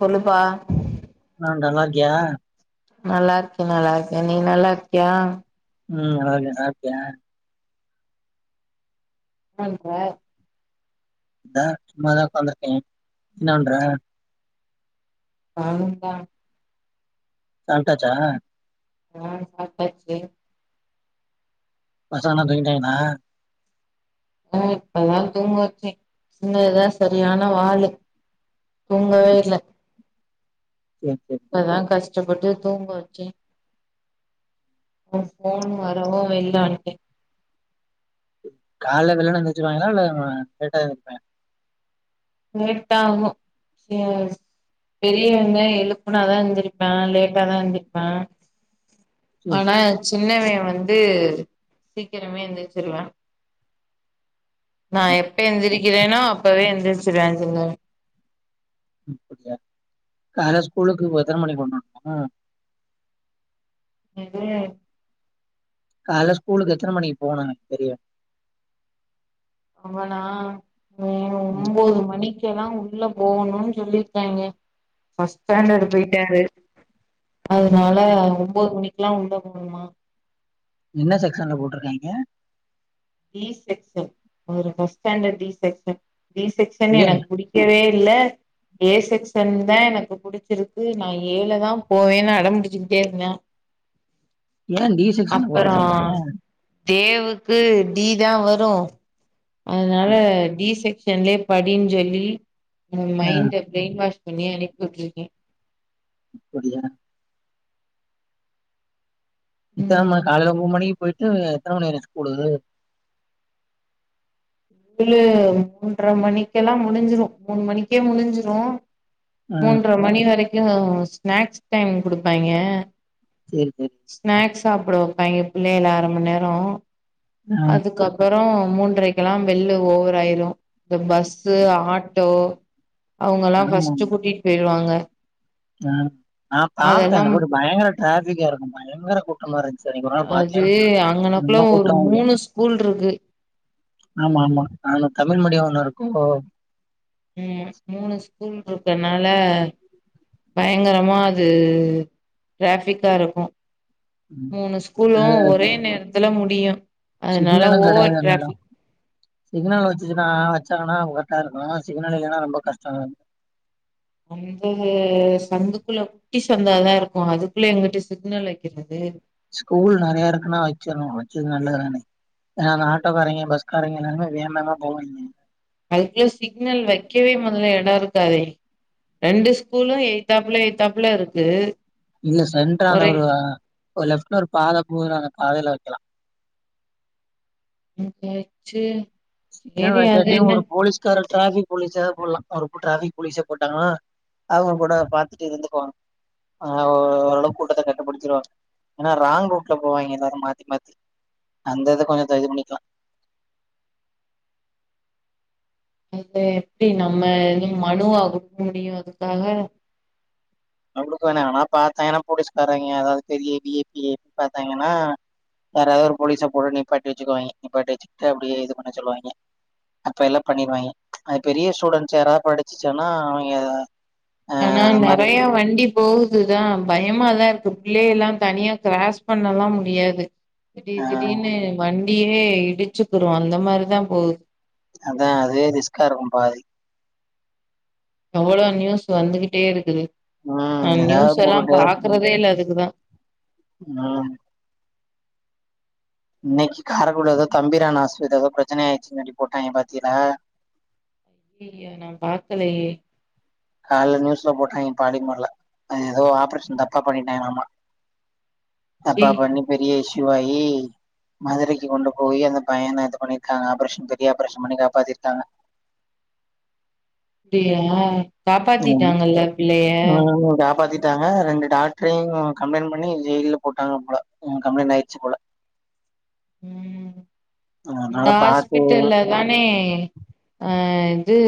சொல்லுப்பா பன்ற நல்லா இருக்கியா நல்லா இருக்கியன் தோழர் நீ நல்லா இருக்கியா உம் நல்லா இருக்க சாப்டியா நன்ற [unintelligible] தா சும்மாதான் உட்காந்துருக்கேன் என்னபண்ற நானும்ந்தா சாப்ட்டாச்சா ஆஹ் சாப்பிட்டாச்சு பசங்கெலல்லாம் தூங்கிட்டாங்களா ஹம் இப்பதா தூங்கச்ச சின்னதுதா சரியான வாழு தூங்கவே இல்ல சேரி சேரி ப்பதா கஷ் [unintelligible] தூங்க வச்சி ஃபோன் வரவு வெள்ள வன்டே கால வெள்ளன்ன முல்ச்ருவாங்ஞாளா இல்ல லேட்டா எந்திப்பாங் லேட்டாகு சே பெரியவந்தா எழுப்னாதா எந்திருப்ப லேட்டாதா எந்திருப்பா சேரி ஆன சின்னவ வந்து சீக்கிரமே எந்திருச்சிருவா நா எப்ப எந்திரி இல்லனா அப்பவே [inaudible] உம் அப்டியா கால ஸ்கூலுக்கு எத்தன மணிக்கு போனு ஹ இதே கால ஸ்கூலுக்கு எத்தன மணிக்கு போனு தெரி ஆவனா உம் ம் ஒம்போது மணி எல்லா உள்ள போகணுனூ சொல்லிருக்காங்க ஃபர்ஸ்ட் ஸ்டாண்டர்டு போய்டாரு அதனால ஒம்பது மணி ல்லா உள்ள போணுமா என்ன செக்சன்ல போட்ருக்காங்ஞ டீ செக்சன் ஒரு ஃபர்ஸ்டான்டடூ டீ செக்சன் டீசக்சன் ஏ எனக் புடிக்கவே ல ஏ செக்சன் தா எனக்கு புடிச்சிருக்கு நா ஏல தா போவே அடம்புடிச்சிட்டே இருந்தான் ஏன் டி டீ சாக்சன்லா போட்ருக்காங்க தேவுக்கு டீ தா வரு அதனால டீ செக் சென்லே படின்னு சொல்லி ஆ மைண்ட்டு பிரெயின் வாஷ் பண்ணி அனுப்பி வுட்ருக்கே அப்புடியா ம் இத்தாம காலலமமனுணிக் போய்டு எத்தன மணி வர ஸ்கூலு மூன்டர மணிக்கல்லா முடிஞ்சிரு மூணு மணிக்கே முடிஞ்சுரு ஆ மூன்ட்ர மணி வரை ஸ்நாக்ஸ் டைம் கொடுப்பாங்க சேரி சேரி ஸ்நாக்ஸ் சாப்பிடு வைப்பா ஏன் பிள்ளைல அரை மணி நேரம் ஆ அதுக்கப்புறம் அப்ரோ மூன்றரைக்கலாம் பெள்ளு ஓவராயிரும் இந்த பஸ்ஸு ஆட்டோ அவங்கல்லாம் ஃபர்ஸ்ட் கூட்டிட்டு போய் டுவாங்க ஆஹ் நான் பாப்பேன் அந்த ரோடு பயங்கர டிராபி க்கு பயங்கர கூட்டமா இரு அது அங்கனக்குள்ள ஒரு கூட்டோ உள்ள மூணு ஸ்கூல் இருக்கு ஆமா ஆமா ஆமா தமிழ் மீடியம் ஒண்ணு இருக்கோ உஹம் மூணு ஸ்கூல் இருக்கனால பயங்கரமா அது டிராஃபிக்கா இருக்கும் ம் மூணு அது ஸ்கூலும் ஒரே நேர த்துல முடியும் அதனால சிக்னலு கெடையாது ஓவர் அந்த எடோ டிராபிக் சிக்னல் வச்சுச்சுன்னா வச்சாங்கன்னாங்க கரெக்டா இருக்கும் சிக்னல் இல்லைன்னா ரொம்ப கஷ்டம் அந்த சந்துக்குள்ள குட்டி சந்தா தான் இருக்கும் அதுக்குள்ள எங்கிட்டு சிக்னல் வைக்கிறது ஸ்கூல் நிறைய இருக்குன்னா வச்சிருணும் வச்சது நல்லதானே ஏன்னா அந்த ஆட்டோக்காரங்க பஸ்காரங்க எல்லாருமே வேமாதா போவங்க அதுக்குள்ள சிக்னல் வைக்கவே முதல்ல இடம் இருக்காதே ரெண்டு ஸ்கூலும் எயத்தாப்ல எயத்தாப்ல இருக்கு இல்ல சென்டர் ஒரே அனோரு லஃப்ட் பாதா போதா அதையில வேக்கலாம் [unintelligible] ச்சு சிங்கள் சேரி அது வாட்டியும் என்ன ஒரு போலீஸ்கார டிராபிக் போலீஸாதான் போடலாம் அவ டிராபிக் போலீஸ போட்டாங்கன்னா அவங்க கூட பாத்துட்டு இருந்துக்குவாங்க ஆஹ் ஓரளவு கூட்டத்த கட்டுப்படுத்திருவாங்க ஏன்னா ராங் ரூட்ல போவாங்க ஏதாவது மாத்தி மாத்தி அந்த இத கொஞ்சம் இது பண்ணிக்கலாம் அது எப்படி நம்ம எ மனுவா குடுக்க முடியும் அதுக்காக அவளுக்கு வேணா ஆனா பார்த்தாங்கன்னா போலீஸ்காரங்க அதாவது பெரிய விஐபி பார்த்தாங்கன்னா யாராவது ஒரு போலீஸை போட நீப்பட்டி வச்சுக்குவாங்க நீப்பட்டி வச்சுக்கிட்டு அப்படியே இது பண்ண சொல்லுவாங்க அப்ப எல்லாம் பண்ணிருவாங்க அது பெரிய ஸ்டூடெண்ட்ஸ் யாராவது படிச்சுச்சன்னா அவங்க ஆஹ் ஆனா அந்த மாதிரி நிறையா வண்டி எப்படி போகுதுதான் பயமாதான் இருக்கு பிள்ளயக எல்லாம் தனியா கிராஸ் பண்ணலாம் முடியாது திடீர் ஆஹ் திடீருனு வண் அப்படியே இடிச்சுக்குரும் அந்த மாதிரிதான் போகுது அதான் அதுவே ரிஸ்க்கா இருக்கும் பாதி எவ்ளோ நியூஸ் வந்துகிட்டே இருக்குது உம் ஆஹ ஏதாவது நியூஸ் எல்லாம் பாக்குறதே இல்ல அதுக்குதான் உஹ் இன்னைக்கு கார கூடதோ தம்பீரான் ஆஷ்பத்திரில ஏதோ பிரச்சனயா ஆயிடுச்சுனு போட்டாக பாத்தீங்களா ஐய்யயா நான் பார்க்கலையே காலையில நியூஸ்ல போட்டாங்க பாலிமர்ல அது ஏதோ ஆப்ரேஷன் தப்பா பண்ணிட்டாங்களாமா ஐயய்யோ தப்பாப்பண்ணி பெரிய இசுயூ சிவாயி மதுரைக்கு கொண்டு போய் அந்த பையன இது பண்ணிருக்காங்க ஆப்ரேஷன் பெரிய ஆப்ரேஷன் பண்ணி காப்பாத்திருக்காங்க [unintelligible] ம், காப்பாத்திட்டாங்கல்ல பிள்ளைய காப்பாத்திட்டாங்க ரெண்டு டாக்டரையும் கம்ளைண்ட்ல பண்ணி ஜெயில போட்டாங்க போ கம்ளைண்ட் ஆயிடுச்சு போல உம் இந்த அதனால பார்த்து ஹாஸ்பிட்டல்ல தானே அஹ் வந்து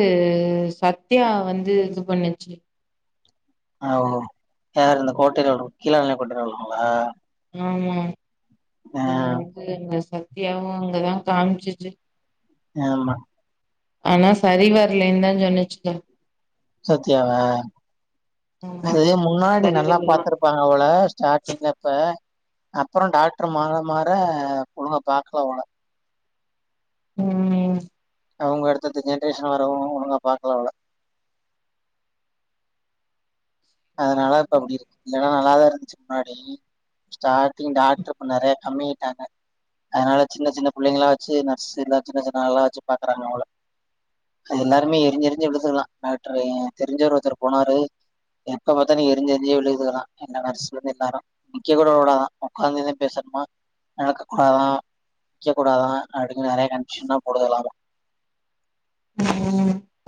சத்யா வந்து இது பண்ணுச்சு ஹ யார இந்த கோட்டரோல் கீழா கொட்டரோல்ங்களா ஆமா அ அ என் சத்தியாவும் அங்கதான் காமிச்சுச்சு ஆமா ஆனா சரி வரலன்ன தான் சொன்னிச்சுதான் சத்தியாவ ஆமா அது அதுக்கு முன்னாடி சரி நல்லா வரலயா பாத்திருப்பாங்க போல ஸ்டார்டிங்ல இப்ப அப்புறம் டாக்டர் மாற மாற ஒழுங்க பாக்கல போல உம் அவங்க அடுத்தது ஜென்ரேஷன் வரவும் அவங்க பாக்கல போல அதனால இப்ப அப்படி இருக்கு ல்லாம் நல்லாதான் இருந்துச்சு முன்னாடி ஸ்டா டாக்டர் பண்ணர கம்மி அதனால சின்ன சின்ன பிள்ளைங்களா வச்சு நர்ஸ் எல்ல சின்ன சின்னல்லாம் வச்சு பாக்குறாங்க அவள அது எல்லாருமே எரிஞ் செரிஞ்சு விழுதுக்கலாம் டாக்டர் தெரிஞ்ச ஒருத்தர் போனாரு எப்ப பார்த்தா நீ எரிஞ்சுரி்சே விழுயதுக்கலாம் எல்லாரும் நிக்க கூட கூடாதான் உக்காந்துந்து பேசணுமா நடக்க கூடாதான் நக்க கூடாதான் அ நிறைய கமிஷன் போடுதல்லாம உ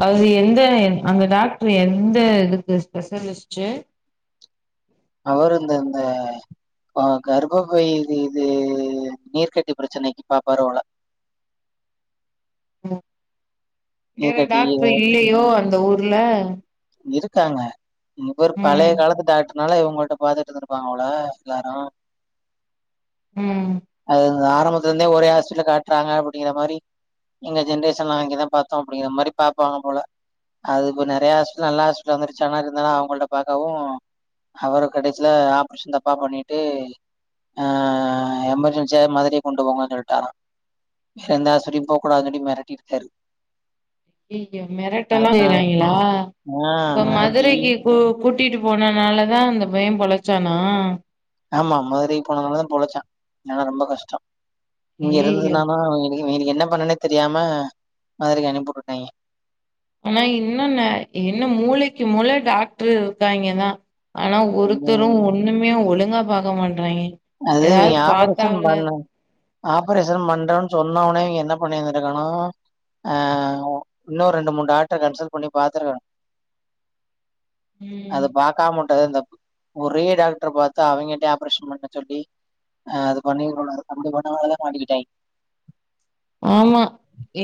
அது எந்த அந்த டாக்டர் எந்த இதுக்கு ஸ்பெஷலிஸ்டு அவர் இந்த கர்ப்ப பைய இதுது நீர்கட்டி பிரச்சனைக்கு பா பரவல [inaudible] வேற டாக்டர் அஹ் இல்லையோ அந்த ஊர் ங்கள இருக்காங்க இங்க ஒரு ம் பழைய காலத்து த னால இவங்கள்ட்ட பாத்துட்டு இருந்து இருப்பாங்க போல எல்லாரும் உம் ஆரம்பத்துல இருந்தே ஒரே ஹாஸ்பல்ட்ட காட்டுறங்க அப்படிங்க மாதிரி எங்க ஜென்ரேஷன்ல அங்கேதான் பார்த்தோம் அப்படிங்கிற மாதிரி பாப்பாங்க போல அது இ நிறையா ஆஸ்ப நல்லா ஹாஸ்பிட்டல் வந்துருச்சு ஆனா இருந்தாலா அவங்கள்ட பாக்கவும் அவரு கடைச்சில ஆப்ரேஷன் தப்பா பண்ணிட்டு அஹ் எமர்ஜென்சியா மதுரைக்கு கொண்டு போங்கன்னு சொல்லிட்டாரான் வேற எந்த ஹஸ்பிரியும் போகக்கூடாது சொல்லி மிரட்டி இருக்காரு ஐயோ மிரட்ட எல்லாம் செய்றாஙஞ்களா ஆ இப்ப மிரட்டி மதுரைக்கு கூ கூட்டிட்டு போன அதனாலதான் அந்த பயன் பொழைச்சானா ஆமா மாதுரைக்கி போனனால தான் பொழச்சான் இல்லனா ரொம்ப கஷ்டம் இங்க ஐயயோ இருந்துர்தான்னா எக்கு என்ன பண்ணனே தெரியாம மாதரைக்கு அனுப்பிட்டுட்டாங்க ஆனா இன்னொன்ன என்ன மூளைக்கு மூளை டாக்டரு இருக்காங்கோ தான் ஆனா ஒருத்தரும் ம். ஒண்ணுமே ஒழுங்க ஒழுங்கா பாக்க மாட்டறாங்கோ அதுவிங்க ஆபுரேஷன் பண்ண ஆபரேஷன் பண்றுரென் சொன்ன உனே இங்க என்ன பண்ணிருந்திருக்கானும் ஆஹ இன்னொரு ரெண்டு மூணு டாக்டர் கன்சல்ட் பண்ணி பாத்துருக்கணும் ம் அது பாக்க மா முட்டது தப்பு ஒரே டாக்டர் பார்த்தா அவங்க கிட்ட ஆபரேஷன் பண்ண சொல்லி அஹ அது பண்ணி அப்படி பண்ணங்களதான் மாட்டிக்கிட்டேன் ஆமா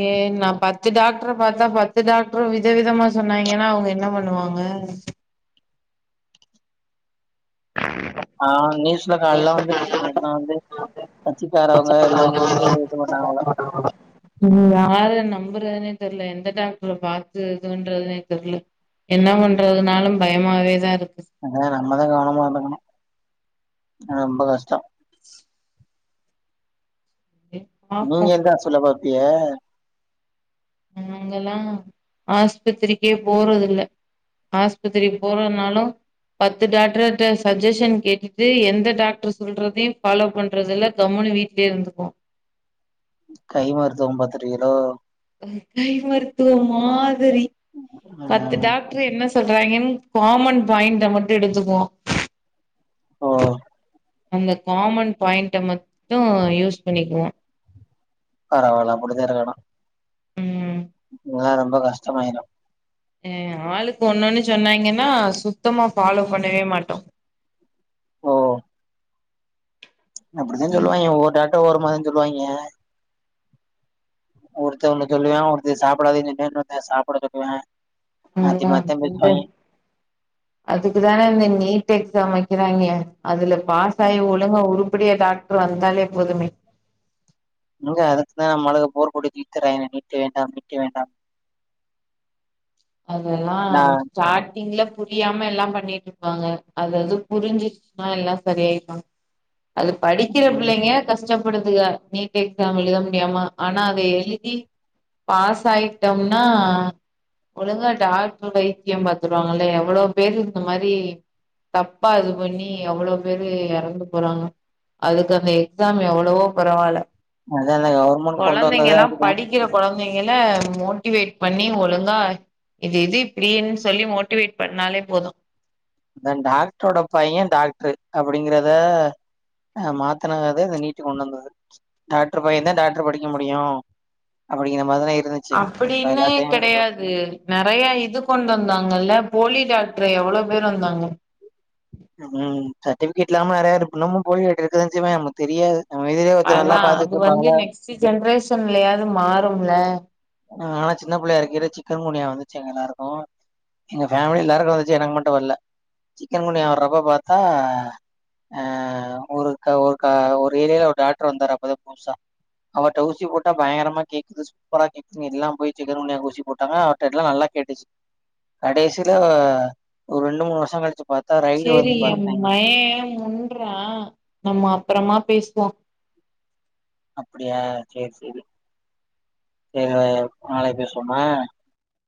ஏன் நான் பாத்து பத்து டாக்டர் பாத்தா பத்து டாக்டரும் வித விதமா சொன்னாங்கன்னா அவங்க என்ன பண்ணுவாங்க ஆஹ நியூஸ்ல கால வந்துருச்சு நியூலாம் வந்து கச்சிக்காரவங்க எல்லாம் சேர்ந்து இது பண்ணாங்கள ம், யார நம்புறதுனே தெரியல எந்த டாக்டர பார்த்த இதுன்றதுனே தெரியல என்ன பண்றதுனாலும் பயமாவே தான் இருக்கு ஆஹ ரொம்ப கஷ்டம் [inaudible] நீங்க பாப்போம் எந்த ஆஸ்பத்திரில்லா பாத்தி ஏ நாங்கல்லாம் ஆஹஸ்பத்திரிக்கே போறது இல்ல ஆஸ்பத்திரி போறதுனாலும் பத்து டாக்டர்ட்ட சஜஷன் கேட்டுட்டு எந்த டாக்டர் சொல்றதையும் ஃபாலோ பண்றது இல்ல கம்முனி வீடலயே இருந்துக்கும் கை மருத்துவம்பத்து ருக்கிலோ கை மருத்துவ மாரி பத்து ம் டாக்டர் என்ன செ சொல்றாங்கன்னு காமன் பாயிண்ட மட்டும் எடுத்துக்குவோம் ஹ அந்த காமன் பாயிண்ட மட்டும் யூஸ் பண்ணிக்குவோம் பரவாயில்லா அப்படித இருக்கனும் உம் ஆஹ ரெம்போ கஸ்ட மாயிரும் அஹ ஆளுக்கு ஒண்ணொன்னு சொன்னாங்கன்னா சுத்தமா ஃபாலோ பண்ணவே மாட்டோம் ஓ அப்படித ம் சொல்லுவாங்க ஒவ்வொரு டக் ஒரு மாரிதம் சொல்லுவாங்க ஒருத்த ஒண்ணு சொல்லுவன் ஒருத்த சாப்பிடாதுனு சாப்பிட சொல்லுவன் உஹம் அதுக்குதானே இந்த நீட வைக்கிறாங்க அதுல பாசாயி ஒழுங்க ஒரு அப்புடியா டாக்டர் வந்தாலே போதுமே இங்க அதுக்கு தான் நம்ம ஆளுக போர் கொடி துக்கறேன் என்னை நீட்டு வேண்டாம் நீட்டு வேண்டாம் அதெல்லாம் நா ஸார் நீங்கள புரியாம எல்லாம் பண்ணிட்டு இருப்பாங்க அதாவது புரிஞ்சிச்சுன்னா எல்லாம் சரியாயிருவாங்க அது படிக்கிற ம் பிள்ளைங்க கஷ்டப் ப்படுதுக்க நீட் எக்ஸாம் எழுத முடியாம ஆனா அத எழுதி பாஸ் ஆயிட்டோம்னா ஒழுங்கா டாக்டர் வைத்தியம் பாத்துருவாங்க எவ்வளோ பேரு இந்த மாதிரி தப்பா இது பண்ணி எவ்வளோ பேரு இறந்து போறாங்க அதுக்கு அந்த எக்ஸாம் எவ்வளவோ பரவாயில்ல அதல்ல கவுர்மெண்ட் கொண்டு வந்தது அதுதான் நீங்கலாம் மோட்டிவேட் பண்ணி ஒழுங்கா இது இது இப்டினு சொல்லி மோட்டிவேட் பண்ணாலே போதும் டாக்டரோட பையன் டாக்டரு அப்படிங்கிறத ஹ் மாத்தினதே நீட்டுக்கு கொண்டு வந்தது டாக்டர் பையன் தான் டாக்டர் படிக்க முடியும் அப்படிங்கிற மாரிதானே அப்படின்னு கிடையாது நிறைய இது கொண்டு வந்தாங்கல்ல போலி டாக்டர் எவ்வளவு பேர் வந்தாங்க ம் சர்டிஃபிகேட் இல்லாம நிறையாரு இன்னமும் போலி டாக்டரு இருக்குதான் செய்ஞ்க நமக்கு தெரியாது நம்ம எதிரே ஒருத்தர் நல்லா அதான் அது வந்து பாத்துட்டுருப்பாங்கல்ல. நெக்ஸ்ட் ஜென்ரேஷன்லயாவது மாறும்ல ஆனா சின்ன பிள்ளையா இருக்கிட்ட சிக்கன் குனியா வந்துச்சு எங்க எல்லா இருக்கும் எங்க பேஃமிலி எல்லா இருக்க வந்துச்சு எனக்கு மட்டும் வரல சிக்கன் குனியா வர்றப்ப பாத்தா ஆஹ் ஒரு ஒரு ஒரு ஏரியில ஒரு டாக்டர் வந்தாரு அப்பதான் புதுசா அவட்ட ஊசி போட்டா பயங்கரமா கேக்குது சூப்பரா கே எல்லாம் போய் சிக்கன் குனியாவுக்கு ஊசி போட்டாங்க அவர்க எல்லாம் நல்லா கேட்டுச்சு கடைசியில ஒரு ரெண்டு மூணு வருஷம் கழிச்சு பாத் சரி என்ம்மயன் முண்றான் நம்ம அப்புறமா பேசுவோம் அப்புடியா சேரி சேரி சேரி நாளைக்கு பேசுவோமா